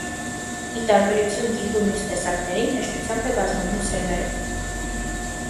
Ի տարբերություն գիհու մյուս տեսակներին, հեշտությամբ է բազմանում սերմերով։